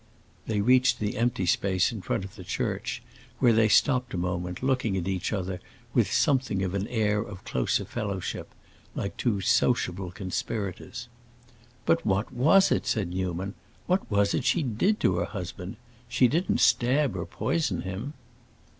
They reached the empty space in front of the church, where they stopped a moment, looking at each other with something of an air of closer fellowship—like two sociable conspirators. "But what was it," said Newman, "what was it she did to her husband? She didn't stab him or poison him."